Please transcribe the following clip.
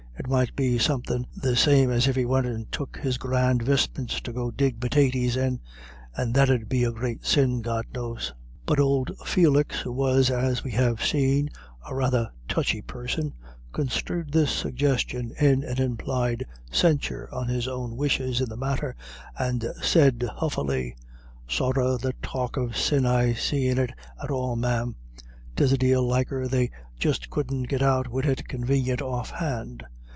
It might be somethin' the same as if he went and took his grand vistments to go dig pitaties in; and that 'ud be a great sin, God knows." But old Felix, who was, as we have seen, a rather touchy person, construed this suggestion into an implied censure on his own wishes in the matter, and he said, huffily "Sorra the talk of sin I see in it at all, ma'am. 'Tis a dale liker they just couldn't get out wid it convanient offhand.